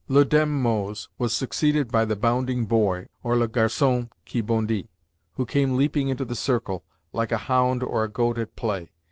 Le Daim Mose was succeeded by the Bounding Boy, or le Garcon qui Bondi who came leaping into the circle, like a hound or a goat at play.